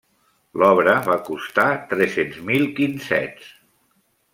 L'obra va costar tres-cents mil quinzets.